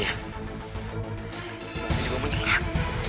ini belum menyengat